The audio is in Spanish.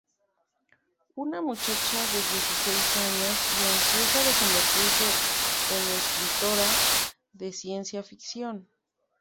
Una muchacha de diecisiete años ansiosa de convertirse en escritora de ciencia ficción.